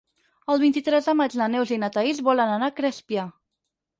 El vint-i-tres de maig na Neus i na Thaís volen anar a Crespià.